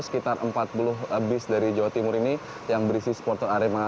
sekitar empat puluh bis dari jawa timur ini yang berisi supporter arema